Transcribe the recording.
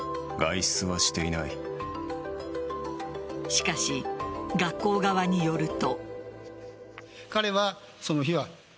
しかし、学校側によると。